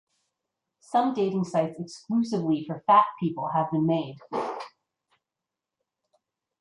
Some dating sites exclusively for fat people have been made.